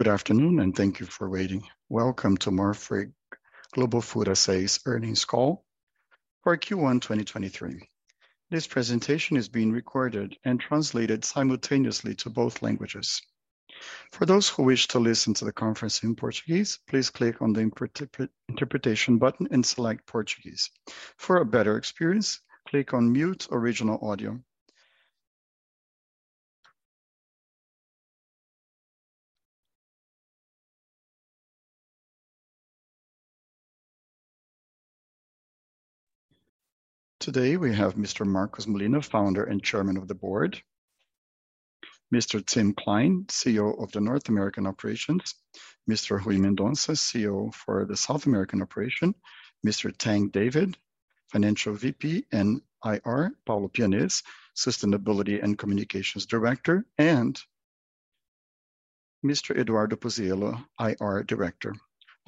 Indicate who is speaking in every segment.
Speaker 1: Good afternoon, and thank you for waiting. Welcome to Marfrig Global Foods S.A.'s earnings call for Q1 2023. This presentation is being recorded and translated simultaneously to both languages. For those who wish to listen to the conference in Portuguese, please click on the interpretation button and select Portuguese. For a better experience, click on mute original audio. Today, we have Mr. Marcos Molina, Founder and Chairman of the Board, Mr. Tim Klein, CEO of the North American Operations, Mr. Rui Mendonca, CEO for the South American Operation, Mr. Tang David, Financial VP and IR, Paulo Pianez, Sustainability and Communications Director, and Mr. Eduardo Puzziello, IR Director.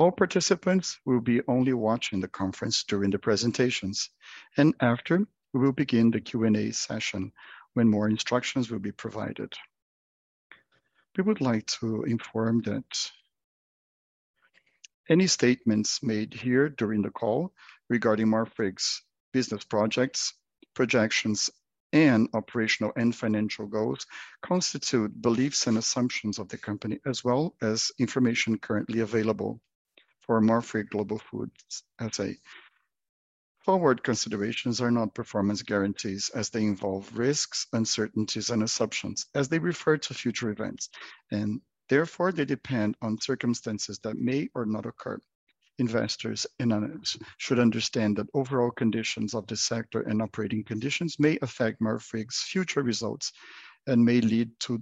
Speaker 1: All participants will be only watching the conference during the presentations, and after, we will begin the Q&A session when more instructions will be provided. We would like to inform that any statements made here during the call regarding Marfrig's business projects, projections, and operational and financial goals constitute beliefs and assumptions of the company, as well as information currently available for Marfrig Global Foods S.A. Forward considerations are not performance guarantees as they involve risks, uncertainties, and assumptions as they refer to future events. Therefore, they depend on circumstances that may or not occur. Investors and analysts should understand that overall conditions of the sector and operating conditions may affect Marfrig's future results and may lead to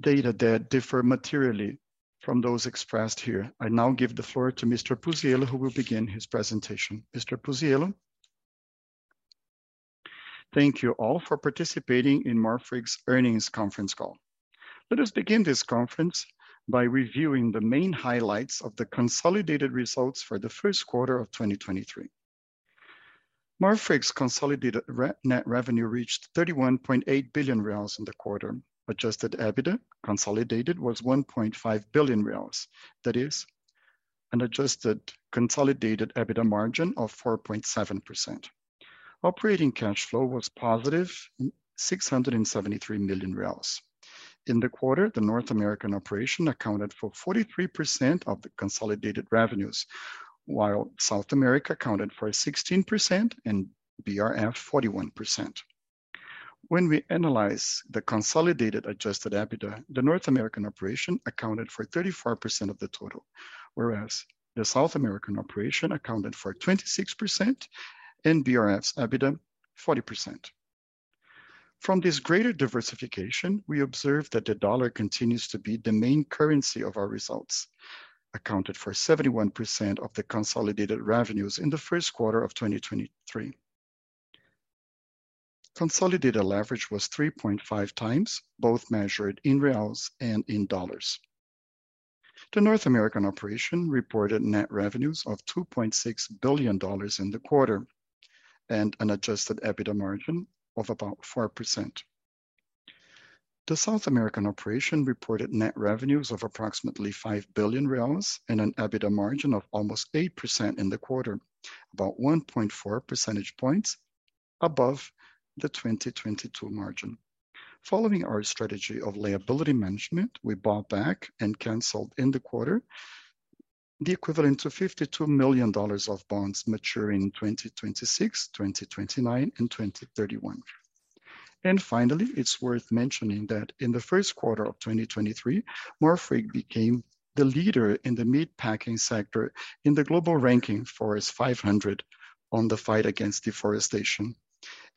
Speaker 1: data that differ materially from those expressed here. I now give the floor to Mr. Puzziello, who will begin his presentation. Mr. Puzziello.
Speaker 2: Thank you all for participating in Marfrig's earnings conference call. Let us begin this conference by reviewing the main highlights of the consolidated results for the first quarter of 2023. Marfrig's consolidated net revenue reached 31.8 billion reais in the quarter. Adjusted EBITDA consolidated was 1.5 billion reais. That is an adjusted consolidated EBITDA margin of 4.7%. Operating cash flow was positive, 673 million reais. In the quarter, the North American operation accounted for 43% of the consolidated revenues, while South America accounted for 16% and BRF 41%. When we analyze the consolidated adjusted EBITDA, the North American operation accounted for 34% of the total, whereas the South American operation accounted for 26% and BRF's EBITDA 40%. From this greater diversification, we observe that the dollar continues to be the main currency of our results, accounted for 71% of the consolidated revenues in the Q1 of 2023. Consolidated leverage was 3.5 times, both measured in BRL and USD. The North American operation reported net revenues of $2.6 billion in the quarter and an adjusted EBITDA margin of about 4%. The South American operation reported net revenues of approximately 5 billion reais and an EBITDA margin of almost 8% in the quarter, about 1.4 percentage points above the 2022 margin. Following our strategy of liability management, we bought back and canceled in the quarter the equivalent to $52 million of bonds maturing in 2026, 2029, and 2031. Finally, it's worth mentioning that in the first quarter of 2023, Marfrig became the leader in the meat packing sector in the global ranking for its Forest 500 on the fight against deforestation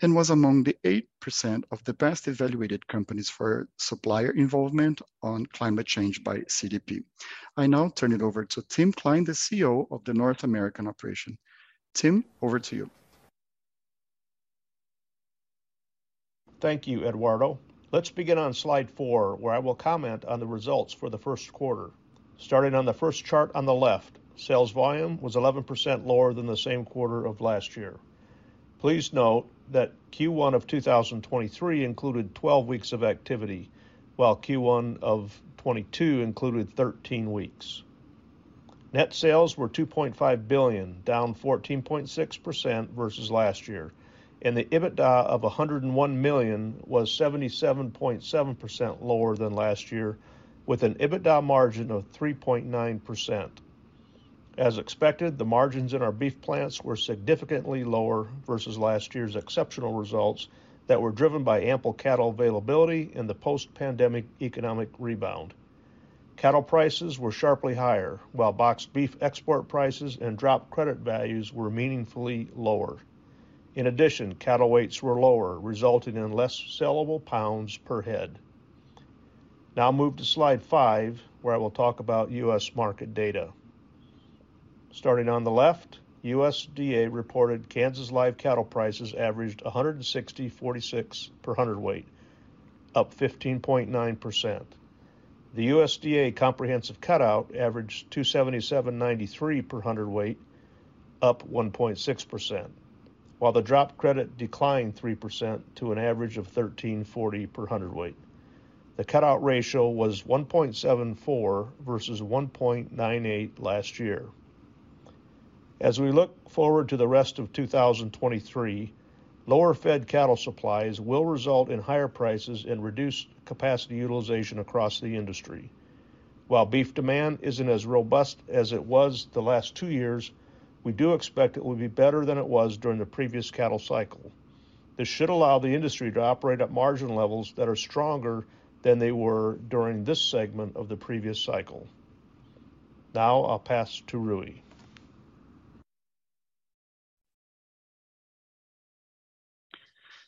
Speaker 2: and was among the 8% of the best evaluated companies for supplier involvement on climate change by CDP. I now turn it over to Tim Klein, the CEO of the North American Operations. Tim, over to you.
Speaker 3: Thank you, Eduardo. Let's begin on slide 4, where I will comment on the results for first quarter. Starting on the 1st chart on the left, sales volume was 11% lower than the same quarter of last year. Please note that Q1 of 2023 included 12 weeks of activity, while Q1 of 2022 included 13 weeks. Net sales were $2.5 billion, down 14.6% versus last year, and the EBITDA of $101 million was 77.7% lower than last year, with an EBITDA margin of 3.9%. As expected, the margins in our beef plants were significantly lower versus last year's exceptional results that were driven by ample cattle availability in the post-pandemic economic rebound. Cattle prices were sharply higher, while boxed beef export prices and drop credit values were meaningfully lower. In addition, cattle weights were lower, resulting in less sellable pounds per head. Now move to slide 5, where I will talk about U.S. market data. Starting on the left, USDA reported Kansas live cattle prices averaged $164.60 per hundredweight, up 15.9%. The USDA comprehensive cutout averaged $277.93 per hundredweight. Up 1.6%, while the drop credit declined 3% to an average of $13.40 per hundredweight. The cutout ratio was 1.74 versus 1.98 last year. As we look forward to the rest of 2023, lower fed cattle supplies will result in higher prices and reduced capacity utilization across the industry. While beef demand isn't as robust as it was the last two years, we do expect it will be better than it was during the previous cattle cycle. This should allow the industry to operate at margin levels that are stronger than they were during this segment of the previous cycle. I'll pass to Rui.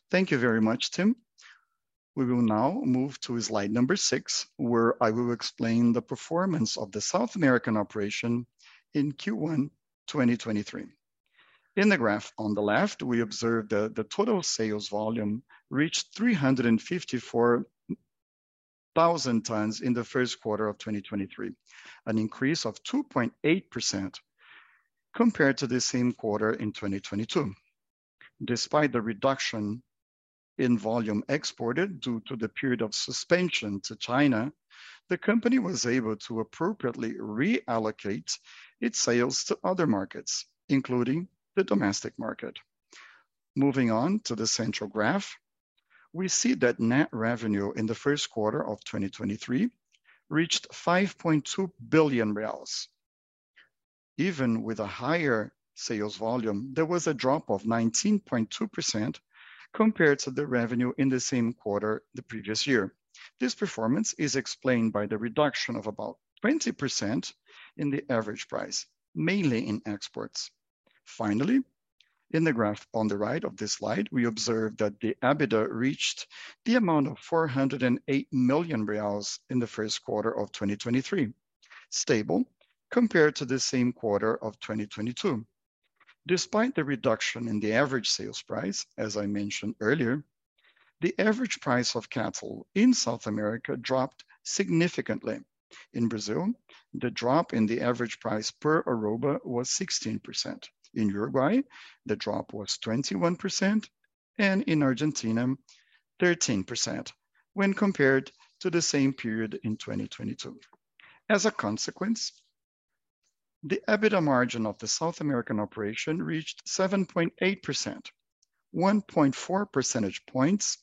Speaker 4: Thank you very much, Tim. We will now move to slide number six, where I will explain the performance of the South American Operation in Q1 2023. In the graph on the left, we observe the total sales volume reached 354,000 tons in the first quarter of 2023, an increase of 2.8% compared to the same quarter in 2022. Despite the reduction in volume exported due to the period of suspension to China, the company was able to appropriately reallocate its sales to other markets, including the domestic market. Moving on to the central graph, we see that net revenue in the first quarter of 2023 reached 5.2 billion reais. Even with a higher sales volume, there was a drop of 19.2% compared to the revenue in the same quarter the previous year. This performance is explained by the reduction of about 20% in the average price, mainly in exports. In the graph on the right of this slide, we observe that the EBITDA reached the amount of 408 million reais in the first quarter of 2023, stable compared to the same quarter of 2022. Despite the reduction in the average sales price, as I mentioned earlier, the average price of cattle in South America dropped significantly. In Brazil, the drop in the average price per arroba was 16%. In Uruguay, the drop was 21%, and in Argentina, 13% when compared to the same period in 2022. The EBITDA margin of the South American operation reached 7.8%, 1.4 percentage points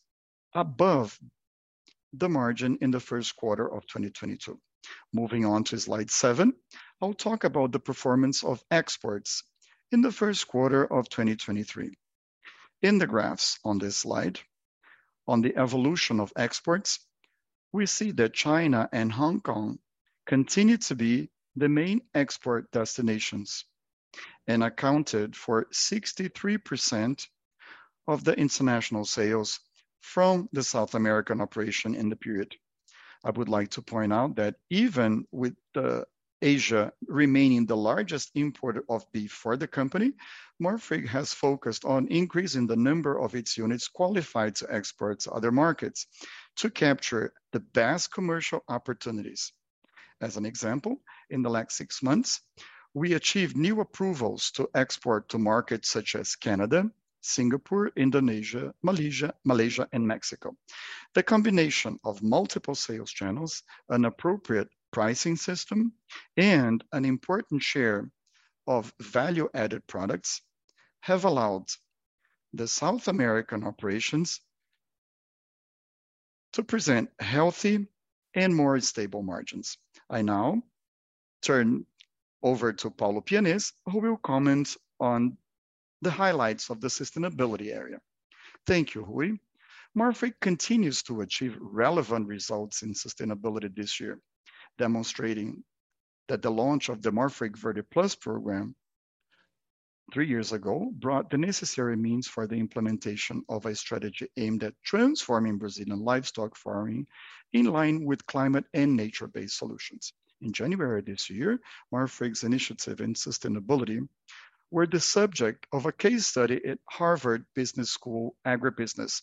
Speaker 4: above the margin in the first quarter of 2022. Moving on to slide 7, I'll talk about the performance of exports in the first quarter of 2023. In the graphs on this slide, on the evolution of exports, we see that China and Hong Kong continue to be the main export destinations and accounted for 63% of the international sales from the South American Operation in the period. I would like to point out that even with Asia remaining the largest importer of beef for the company, Marfrig has focused on increasing the number of its units qualified to export to other markets to capture the best commercial opportunities. As an example, in the last six months, we achieved new approvals to export to markets such as Canada, Singapore, Indonesia, Malaysia and Mexico. The combination of multiple sales channels, an appropriate pricing system, and an important share of value-added products have allowed the South American operations to present healthy and more stable margins. I now turn over to Paulo Pianez, who will comment on the highlights of the sustainability area. Thank you, Rui. Marfrig continues to achieve relevant results in sustainability this year, demonstrating that the launch of the Marfrig Verde+ program 3 years ago brought the necessary means for the implementation of a strategy aimed at transforming Brazilian livestock farming in line with climate and nature-based solutions. In January this year, Marfrig's initiative in sustainability were the subject of a case study at Harvard Business School Agribusiness,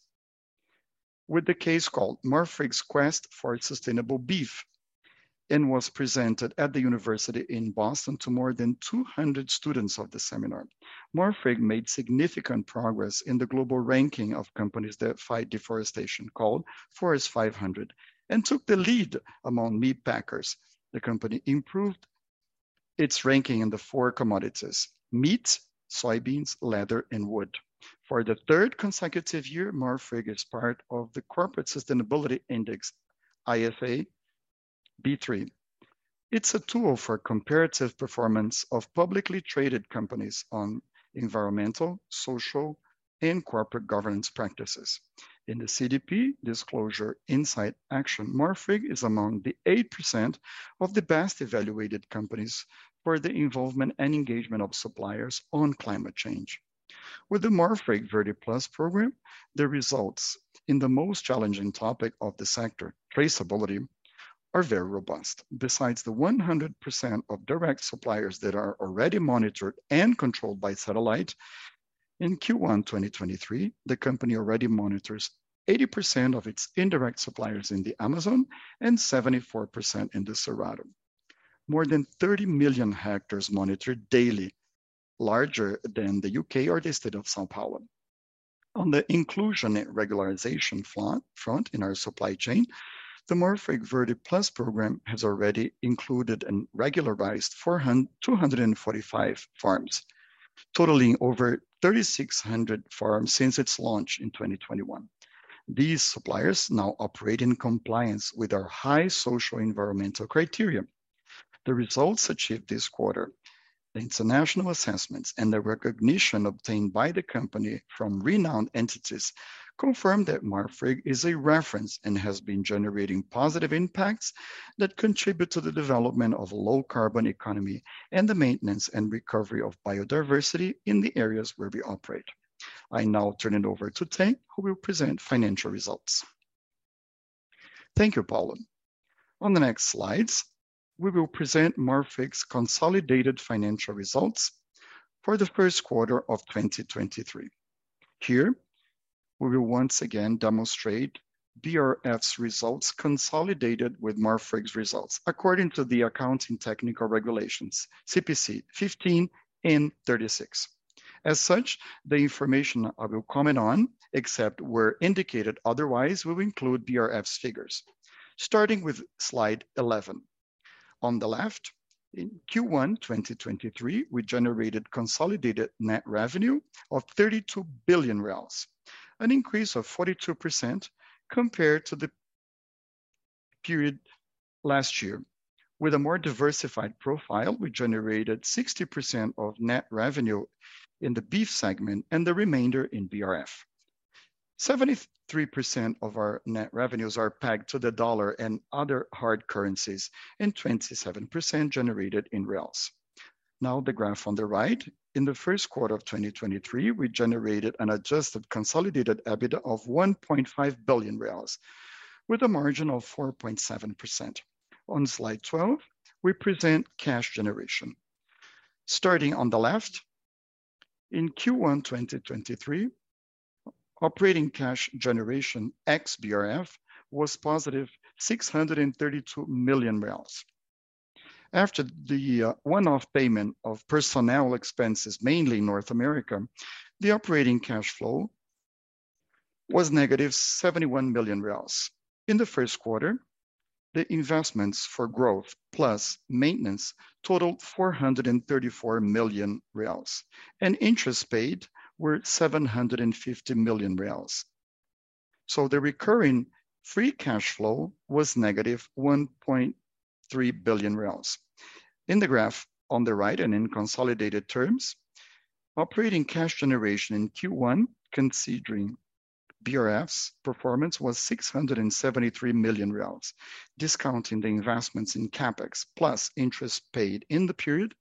Speaker 4: with the case called Marfrig's Quest for Sustainable Beef. Was presented at the university in Boston to more than 200 students of the seminar. Marfrig made significant progress in the global ranking of companies that fight deforestation, called Forest 500, and took the lead among meat packers. The company improved its ranking in the four commodities: meat, soybeans, leather, and wood. For the 3rd consecutive year, Marfrig is part of the Corporate Sustainability Index, ISE B3. It's a tool for comparative performance of publicly traded companies on environmental, social, and corporate governance practices. In the CDP Disclosure Insight Action, Marfrig is among the 8% of the best evaluated companies for the involvement and engagement of suppliers on climate change. With the Marfrig Verde+ program, the results in the most challenging topic of the sector, traceability, are very robust. Besides the 100% of direct suppliers that are already monitored and controlled by satellite. In Q1 2023, the company already monitors 80% of its indirect suppliers in the Amazon and 74% in the Cerrado. More than 30 million hectares monitored daily, larger than the U.K. or the state of São Paulo. On the inclusion and regularization front in our supply chain, the Marfrig Verde+ program has already included and regularized 245 farms, totaling over 3,600 farms since its launch in 2021. These suppliers now operate in compliance with our high social environmental criteria. The results achieved this quarter, the international assessments, and the recognition obtained by the company from renowned entities confirm that Marfrig is a reference and has been generating positive impacts that contribute to the development of low-carbon economy and the maintenance and recovery of biodiversity in the areas where we operate. I now turn it over to Tim, who will present financial results. Thank you, Paulo. On the next slides, we will present Marfrig's consolidated financial results for the first quarter of 2023. Here, we will once again demonstrate BRF's results consolidated with Marfrig's results according to the accounting technical regulations CPC 15 and 36. As such, the information I will comment on, except where indicated otherwise, will include BRF's figures. Starting with slide 11. On the left, in Q1 2023, we generated consolidated net revenue of 32 billion reais, an increase of 42% compared to the period last year. With a more diversified profile, we generated 60% of net revenue in the beef segment and the remainder in BRF. 73% of our net revenues are pegged to the dollar and other hard currencies and 27% generated in reals. The graph on the right. In the first quarter of 2023, we generated an adjusted consolidated EBITDA of 1.5 billion reais with a margin of 4.7%. On slide 12, we present cash generation. Starting on the left, in Q1 2023, operating cash generation ex-BRF was positive 632 million. After the one-off payment of personnel expenses, mainly in North America, the operating cash flow was negative 71 million reais. In the first quarter, the investments for growth plus maintenance totaled 434 million reais, and interest paid were 750 million reais. The recurring free cash flow was negative 1.3 billion reais. In the graph on the right and in consolidated terms, operating cash generation in Q1, considering BRF's performance, was 673 million reais. Discounting the investments in CapEx plus interest paid in the period,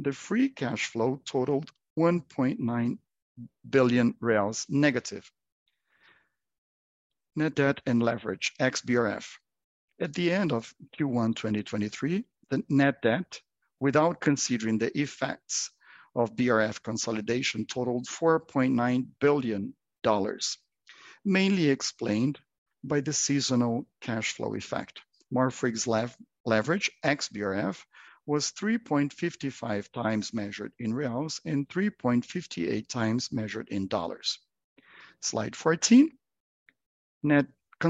Speaker 4: the free cash flow totaled 1.9 billion reais negative. Net debt and leverage ex-BRF. At the end of Q1 2023, the net debt, without considering the effects of BRF consolidation, totaled BRL 4.9 billion mainly explained by the seasonal cash flow effect. Marfrig's leverage ex-BRF was 3.55 times measured in BRL and 3.58 times measured in USD. Slide 14.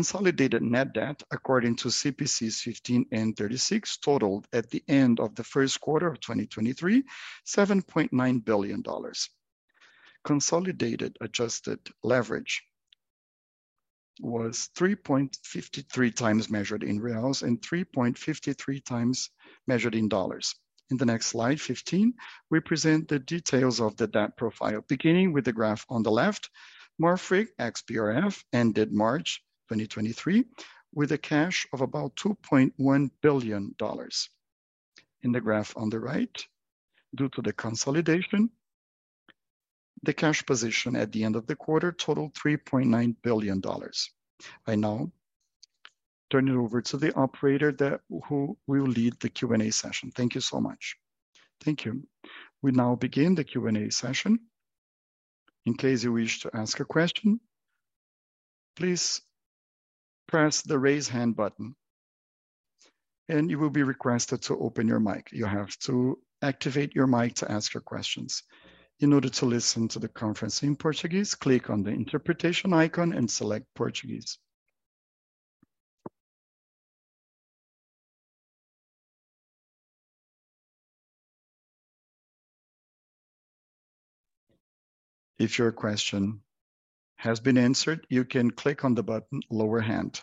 Speaker 4: Consolidated net debt according to CPCs 15 and 36 totaled at the end of the first quarter of 2023, $7.9 billion. Consolidated adjusted leverage was 3.53 times measured in BRL and 3.53 times measured in USD. In the next slide, 15, we present the details of the debt profile. Beginning with the graph on the left, Marfrig ex-BRF ended March 2023 with a cash of about $2.1 billion. In the graph on the right, due to the consolidation, the cash position at the end of the quarter totaled $3.9 billion. I now turn it over to the operator who will lead the Q&A session. Thank you so much.
Speaker 1: Thank you. We now begin the Q&A session. In case you wish to ask a question, please press the raise hand button, and you will be requested to open your mic. You have to activate your mic to ask your questions. In order to listen to the conference in Portuguese, click on the interpretation icon and select Portuguese. If your question has been answered, you can click on the button lower hand.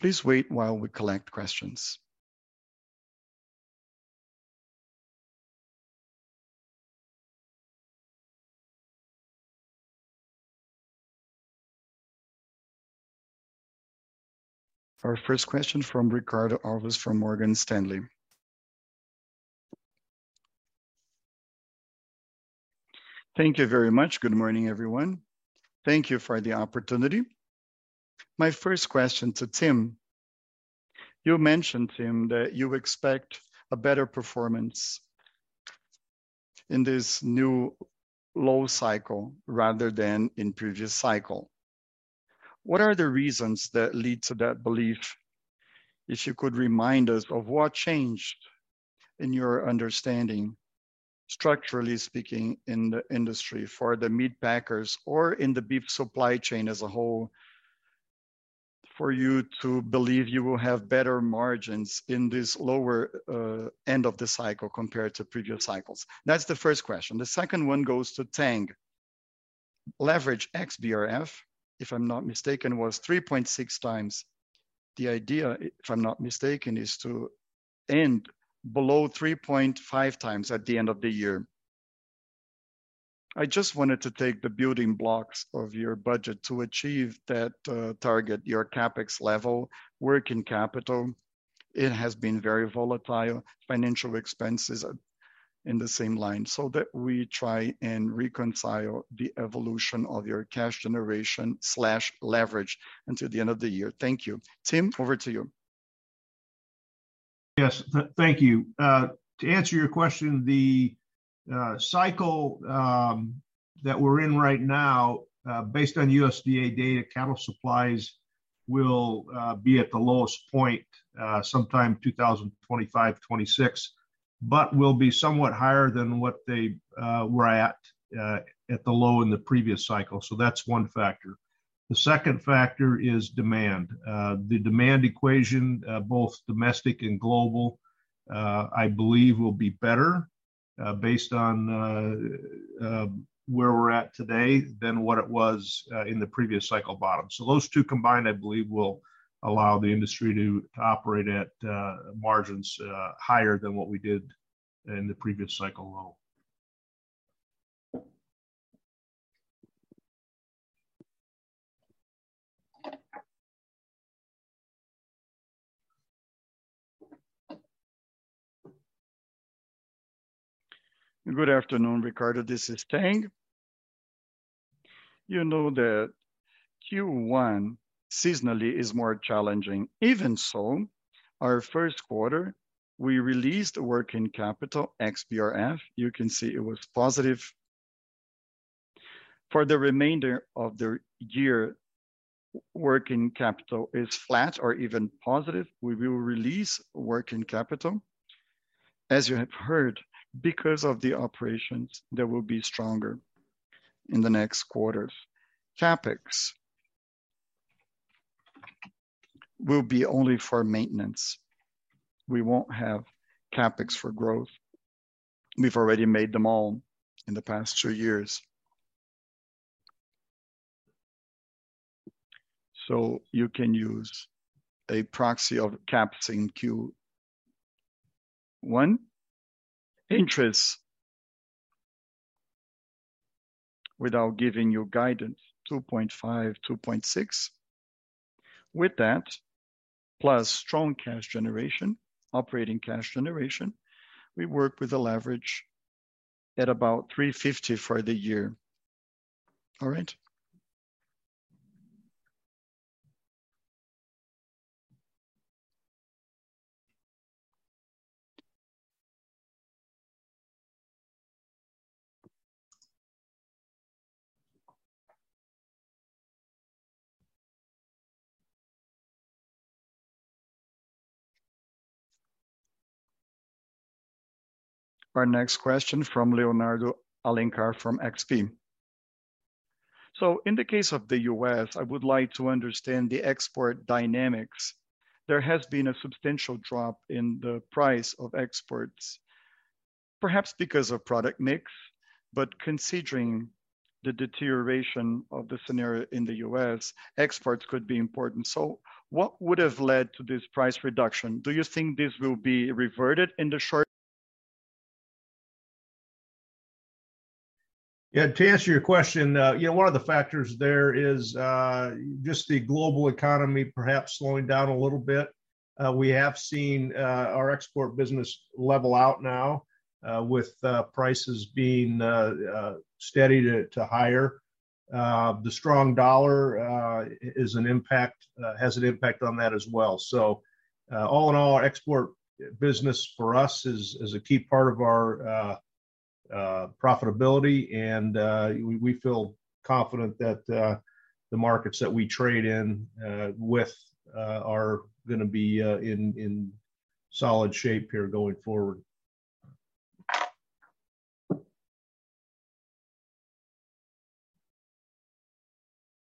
Speaker 1: Please wait while we collect questions. Our first question from Ricardo Alves from Morgan Stanley.
Speaker 5: Thank you very much. Good morning, everyone. Thank you for the opportunity. My first question to Tim. You mentioned, Tim, that you expect a better performance in this new low cycle rather than in previous cycle. What are the reasons that lead to that belief? If you could remind us of what changed in your understanding, structurally speaking, in the industry for the meat packers or in the beef supply chain as a whole, for you to believe you will have better margins in this lower end of the cycle compared to previous cycles. That's the first question. The second one goes to Tang. Leverage ex BRF, if I'm not mistaken, was 3.6 times. The idea, if I'm not mistaken, is to end below 3.5 times at the end of the year. I just wanted to take the building blocks of your budget to achieve that target, your CapEx level, working capital, it has been very volatile, financial expenses in the same line, so that we try and reconcile the evolution of your cash generation/leverage until the end of the year. Thank you. Tim, over to you.
Speaker 3: Yes. Thank you. To answer your question, the cycle that we're in right now, based on USDA data, cattle supplies will be at the lowest point sometime 2025, 2026, but will be somewhat higher than what they were at at the low in the previous cycle. That's one factor. The second factor is demand. The demand equation, both domestic and global, I believe will be better based on where we're at today than what it was in the previous cycle bottom. Those two combined, I believe, will allow the industry to operate at margins higher than what we did in the previous cycle low.
Speaker 6: Good afternoon, Ricardo, this is Tang. You know that Q1, seasonally, is more challenging. Even so, our first quarter, we released working capital ex BRF. You can see it was positive. For the remainder of the year, working capital is flat or even positive. We will release working capital, as you have heard, because of the operations that will be stronger in the next quarters. CapEx will be only for maintenance. We won't have CapEx for growth. We've already made them all in the past two years. You can use a proxy of caps in Q1. Interest, without giving you guidance, $2.5-$2.6. With that, plus strong cash generation, operating cash generation, we work with a leverage at about 3.50x for the year.
Speaker 5: All right.
Speaker 1: Our next question from Leonardo Alencar from XP.
Speaker 7: In the case of the U.S., I would like to understand the export dynamics. There has been a substantial drop in the price of exports, perhaps because of product mix. Considering the deterioration of the scenario in the U.S., exports could be important. What would have led to this price reduction? Do you think this will be reverted in the short?
Speaker 3: Yeah. To answer your question, you know, one of the factors there is just the global economy perhaps slowing down a little bit. We have seen our export business level out now with prices being steady to higher. The strong US dollar has an impact on that as well. All in all, export business for us is a key part of our profitability and we feel confident that the markets that we trade in with are gonna be in solid shape here going forward.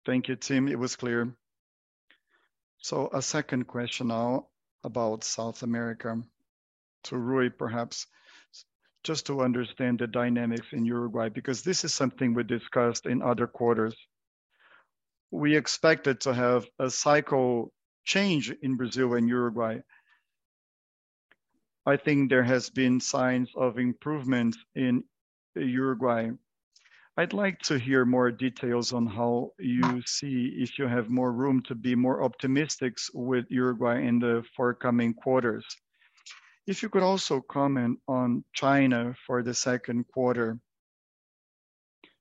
Speaker 7: Thank you, Tim. It was clear. A second question now about South America. To Rui, perhaps, just to understand the dynamics in Uruguay, because this is something we discussed in other quarters. We expected to have a cycle change in Brazil and Uruguay. I think there has been signs of improvement in Uruguay. I'd like to hear more details on how you see if you have more room to be more optimistic with Uruguay in the forthcoming quarters. If you could also comment on China for the second quarter.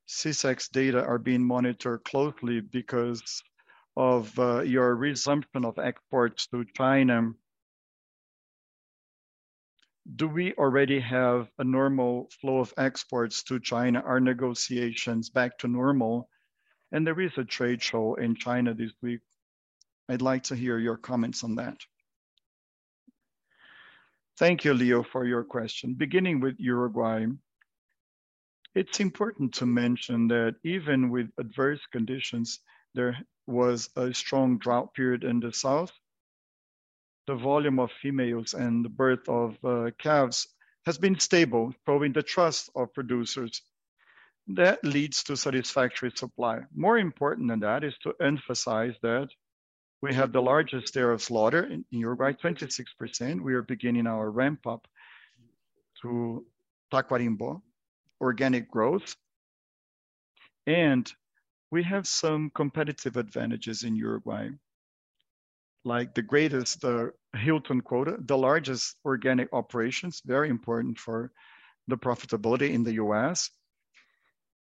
Speaker 7: GACC's data are being monitored closely because of your resumption of exports to China. Do we already have a normal flow of exports to China? Are negotiations back to normal? There is a trade show in China this week. I'd like to hear your comments on that.
Speaker 4: Thank you, Leo, for your question. Beginning with Uruguay, it's important to mention that even with adverse conditions, there was a strong drought period in the south. The volume of females and the birth of calves has been stable, proving the trust of producers. That leads to satisfactory supply. More important than that is to emphasize that we have the largest share of slaughter in Uruguay, 26%. We are beginning our ramp up to Tacuarembó organic growth, and we have some competitive advantages in Uruguay, like the greatest Hilton Quota, the largest organic operations, very important for the profitability in the U.S.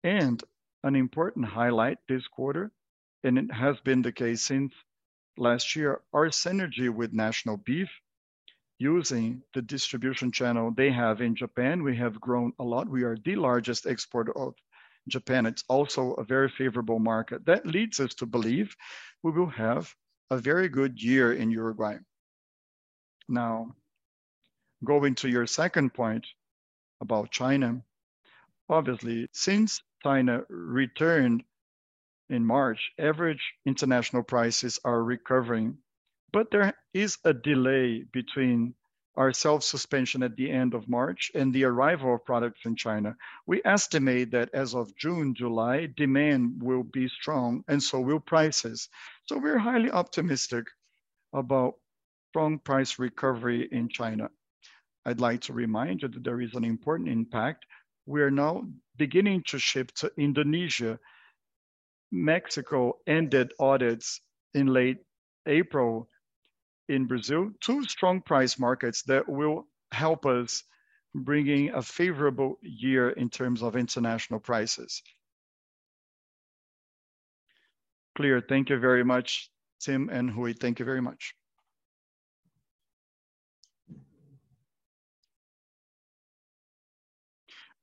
Speaker 4: An important highlight this quarter, and it has been the case since last year, our synergy with National Beef. Using the distribution channel they have in Japan, we have grown a lot. We are the largest exporter of Japan. It's also a very favorable market. That leads us to believe we will have a very good year in Uruguay. Now, going to your second point about China. Obviously, since China returned in March, average international prices are recovering, but there is a delay between our self-suspension at the end of March and the arrival of products in China. We estimate that as of June, July, demand will be strong and so will prices. We're highly optimistic about strong price recovery in China. I'd like to remind you that there is an important impact. We are now beginning to ship to Indonesia. Mexico ended audits in late April in Brazil. Two strong price markets that will help us bringing a favorable year in terms of international prices.
Speaker 7: Clear. Thank you very much, Tim and Rui. Thank you very much.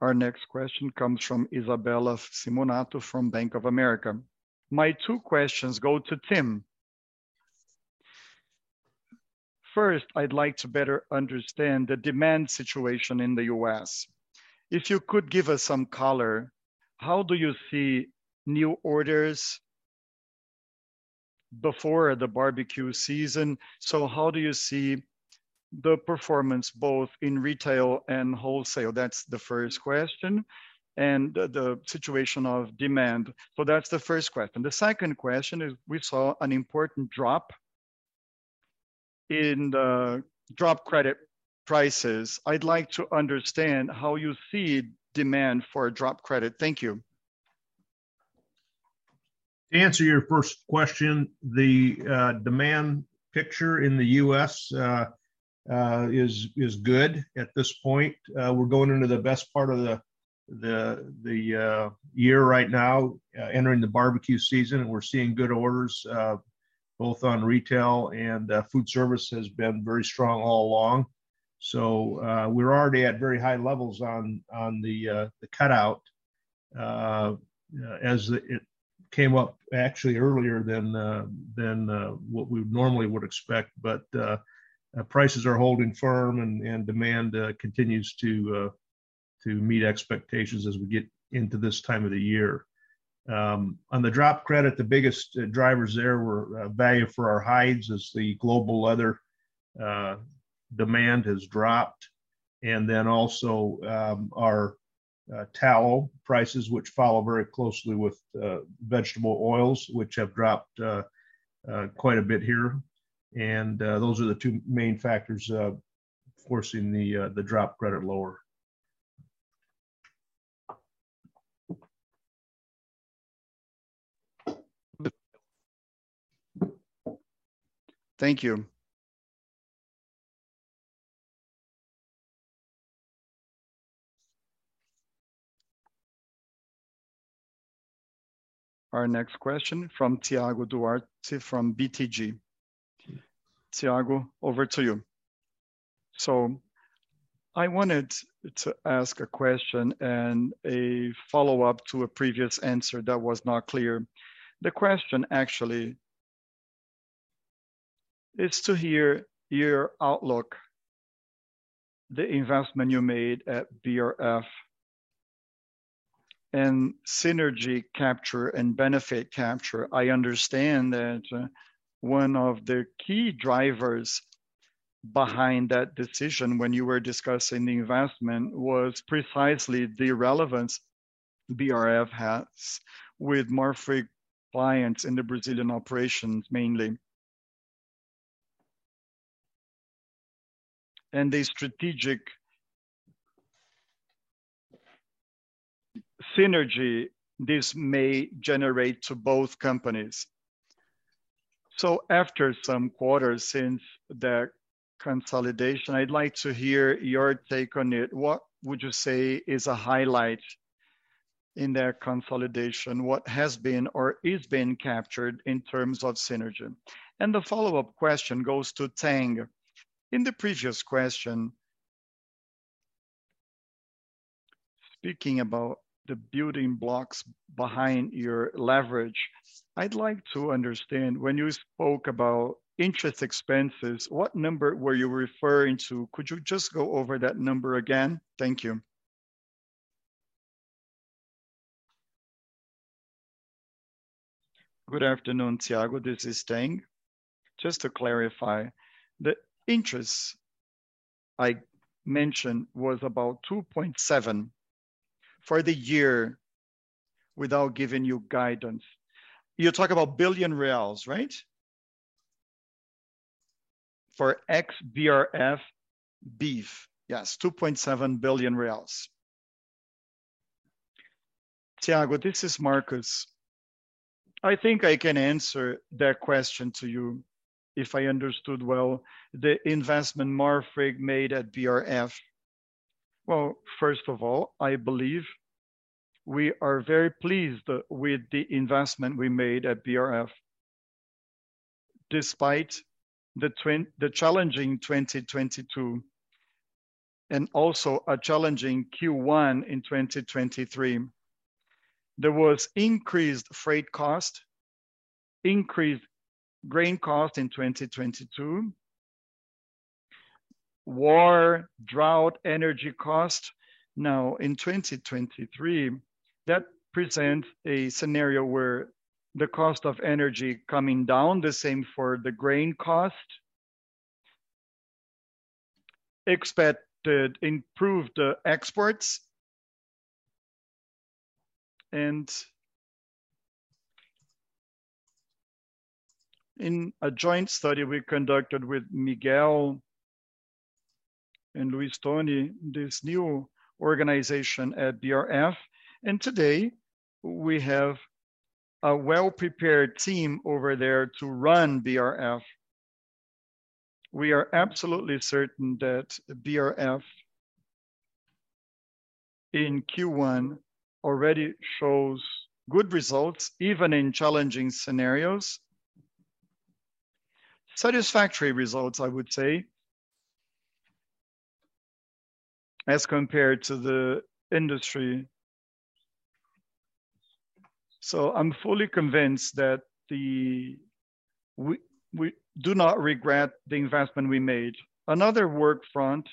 Speaker 1: Our next question comes from Isabella Simonato from Bank of America.
Speaker 8: My two questions go to Tim. First, I'd like to better understand the demand situation in the U.S. If you could give us some color, how do you see new orders before the barbecue season? How do you see the performance both in retail and wholesale? That's the first question, and the situation of demand. That's the first question. The second question is, we saw an important drop in the drop credit prices. I'd like to understand how you see demand for a drop credit. Thank you.
Speaker 3: To answer your first question, the demand picture in the US is good at this point. We're going into the best part of the year right now, entering the barbecue season, and we're seeing good orders, both on retail and food service has been very strong all along. We're already at very high levels on the cutout as it came up actually earlier than what we normally would expect. Prices are holding firm and demand continues to meet expectations as we get into this time of the year. On the drop credit, the biggest drivers there were value for our hides as the global leather demand has dropped. Our tallow prices, which follow very closely with vegetable oils, which have dropped quite a bit here. Those are the two main factors forcing the drop credit lower.
Speaker 8: Thank you.
Speaker 1: Our next question from Thiago Duarte from BTG. Thiago, over to you.
Speaker 9: I wanted to ask a question and a follow-up to a previous answer that was not clear. The question actually is to hear your outlook, the investment you made at BRF, and synergy capture and benefit capture. I understand that one of the key drivers behind that decision when you were discussing the investment was precisely the relevance BRF has with Marfrig clients in the Brazilian operations mainly and the strategic synergy this may generate to both companies. After some quarters since the consolidation, I'd like to hear your take on it. What would you say is a highlight in their consolidation? What has been or is being captured in terms of synergy? The follow-up question goes to Tang. In the previous question, speaking about the building blocks behind your leverage, I'd like to understand when you spoke about interest expenses, what number were you referring to? Could you just go over that number again? Thank you.
Speaker 6: Good afternoon, Thiago. This is Tang. Just to clarify, the interest I mentioned was about 2.7 for the year without giving you guidance. You talk about billion BRL, right?
Speaker 9: For xBRF
Speaker 6: Beef yes. 2.7 billion reais.
Speaker 10: Thiago, this is Marcos. I think I can answer that question to you if I understood well the investment Marfrig made at BRF. First of all, I believe we are very pleased with the investment we made at BRF despite the challenging 2022 and also a challenging Q1 in 2023. There was increased freight cost, increased grain cost in 2022, war, drought, energy cost. In 2023, that present a scenario where the cost of energy coming down, the same for the grain cost. Expected improved exports. In a joint study we conducted with Miguel and Luis Tony, this new organization at BRF, today we have a well-prepared team over there to run BRF. We are absolutely certain that BRF in Q1 already shows good results, even in challenging scenarios. Satisfactory results, I would say, as compared to the industry. I'm fully convinced that we do not regret the investment we made. Another work front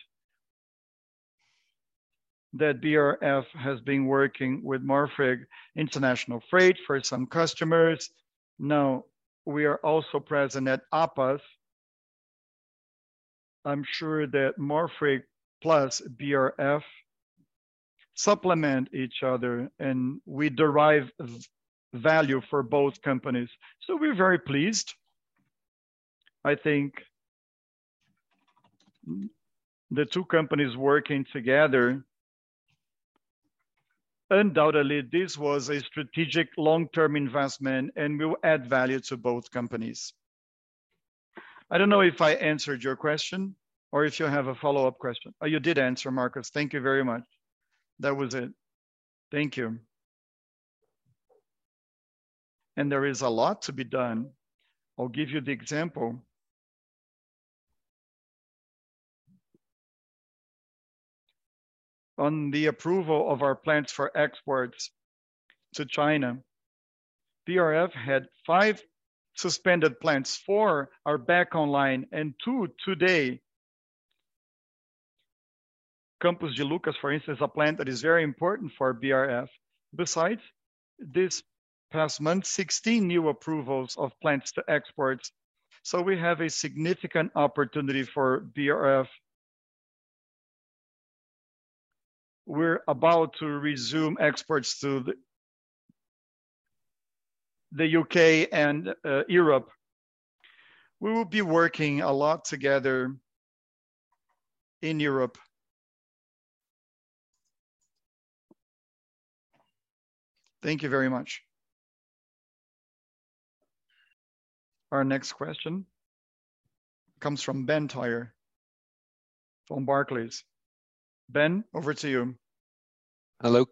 Speaker 10: that BRF has been working with Marfrig international freight for some customers. We are also present at APAS. I'm sure that Marfrig plus BRF supplement each other, and we derive v-value for both companies. We're very pleased. I think the two companies working together, undoubtedly, this was a strategic long-term investment and will add value to both companies. I don't know if I answered your question or if you have a follow-up question.
Speaker 9: You did answer, Marcos. Thank you very much. That was it. Thank you.
Speaker 10: There is a lot to be done. I'll give you the example. On the approval of our plans for exports to China, BRF had 5 suspended plants. 4 are back online and 2 today. Campos de Lucas, for instance, a plant that is very important for BRF. Besides, this past month, 16 new approvals of plants to export. We have a significant opportunity for BRF. We're about to resume exports to the U.K. and Europe. We will be working a lot together in Europe. Thank you very much.
Speaker 1: Our next question comes from Ben Thayer from Barclays. Ben, over to you.
Speaker 11: Hello.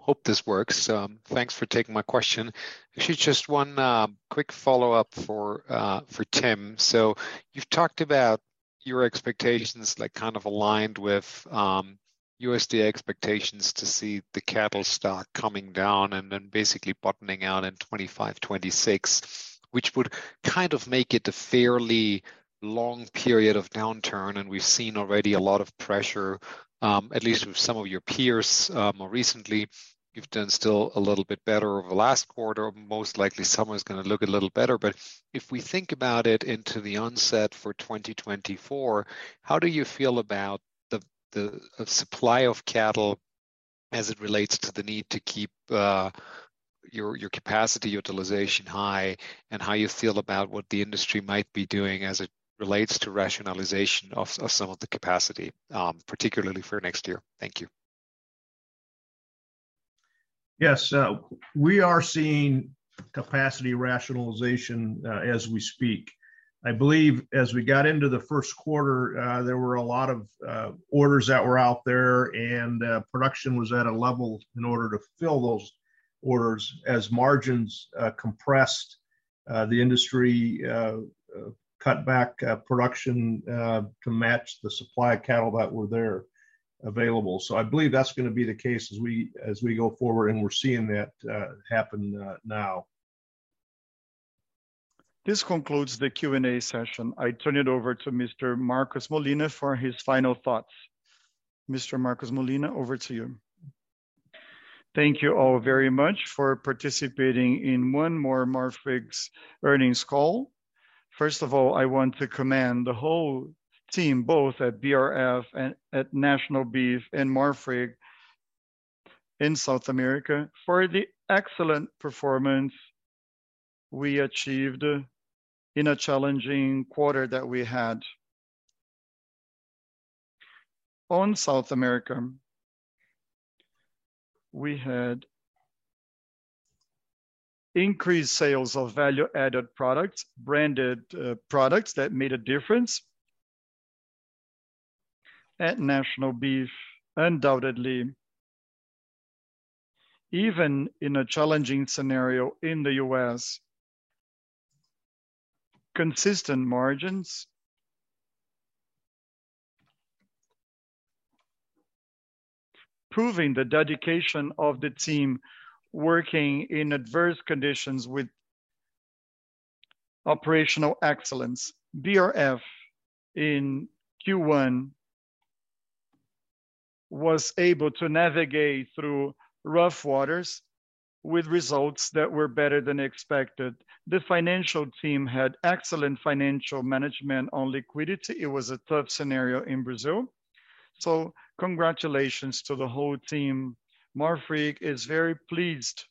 Speaker 11: Hope this works. Thanks for taking my question. Actually, just one quick follow-up for Tim. You've talked about your expectations, like, kind of aligned with USDA expectations to see the cattle stock coming down and then basically bottoming out in 2025, 2026, which would kind of make it a fairly long period of downturn. We've seen already a lot of pressure, at least with some of your peers. More recently, you've done still a little bit better over the last quarter. Most likely, summer is gonna look a little better. If we think about it into the onset for 2024, how do you feel about the supply of cattle as it relates to the need to keep your capacity utilization high and how you feel about what the industry might be doing as it relates to rationalization of some of the capacity particularly for next year? Thank you.
Speaker 3: Yes. We are seeing capacity rationalization as we speak. I believe as we got into the first quarter, there were a lot of orders that were out there, and production was at a level in order to fill those orders. As margins compressed, the industry cut back production to match the supply of cattle that were there available. I believe that's gonna be the case as we, as we go forward, and we're seeing that happen now.
Speaker 1: This concludes the Q&A session. I turn it over to Mr. Marcos Molina for his final thoughts. Mr. Marcos Molina, over to you.
Speaker 10: Thank you all very much for participating in one more Marfrig's earnings call. First of all, I want to commend the whole team, both at BRF and at National Beef and Marfrig in South America for the excellent performance we achieved in a challenging quarter that we had. On South America, we had increased sales of value-added products, branded products that made a difference. At National Beef, undoubtedly, even in a challenging scenario in the U.S., consistent margins. Proving the dedication of the team working in adverse conditions with operational excellence. BRF in Q1 was able to navigate through rough waters with results that were better than expected. The financial team had excellent financial management on liquidity. It was a tough scenario in Brazil. Congratulations to the whole team. Marfrig is very pleased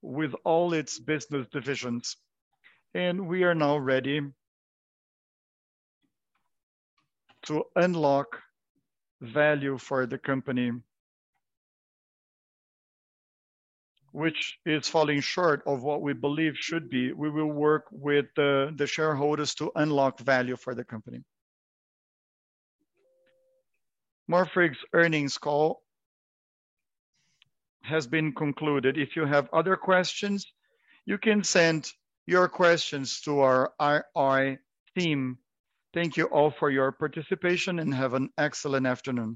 Speaker 10: with all its business divisions, and we are now ready to unlock value for the company, which is falling short of what we believe should be. We will work with the shareholders to unlock value for the company. Marfrig's earnings call has been concluded. If you have other questions, you can send your questions to our IR team. Thank you all for your participation, and have an excellent afternoon.